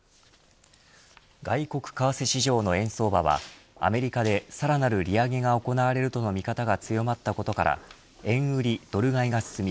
外国為替市場の円相場はアメリカでさらなる利上げが行われるとの見方が強まったことから円売りドル買いが進み